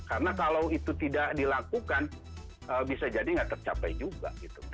karena kalau itu tidak dilakukan bisa jadi nggak tercapai juga gitu